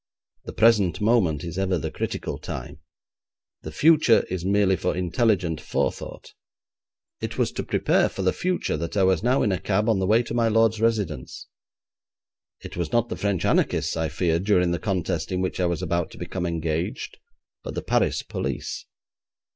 The present moment is ever the critical time; the future is merely for intelligent forethought. It was to prepare for the future that I was now in a cab on the way to my lord's residence. It was not the French anarchists I feared during the contest in which I was about to become engaged, but the Paris police.